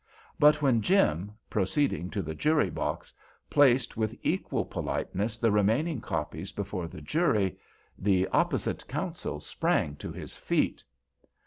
But when Jim, proceeding to the jury box, placed with equal politeness the remaining copies before the jury, the opposite counsel sprang to his feet.